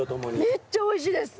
めっちゃおいしいです。